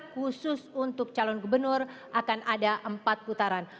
khusus untuk calon gubernur akan ada empat putaran